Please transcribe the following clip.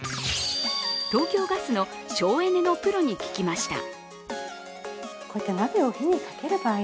東京ガスの省エネのプロに聞きました。